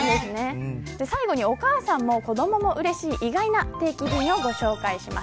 最後にお母さんも子どももうれしい意外な定期便もご紹介します。